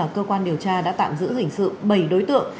cơ quan điều tra đã tạm giữ hình sự bảy đối tượng